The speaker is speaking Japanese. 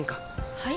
はい？